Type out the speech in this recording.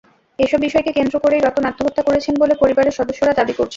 এসব বিষয়কে কেন্দ্র করেই রতন আত্মহত্যা করেছেন বলে পরিবারের সদস্যরা দাবি করছেন।